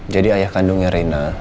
jadi ayah kandungnya reina